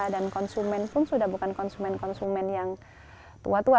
dan konsumen pun sudah bukan konsumen konsumen yang tua tua